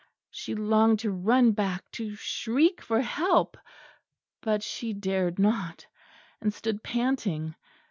She longed to run back, to shriek for help; but she dared not: and stood panting.